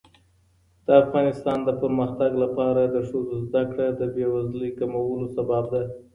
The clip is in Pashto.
د افغانستان د پرمختګ لپاره د ښځو زدهکړه د بیوزلۍ کمولو سبب ده.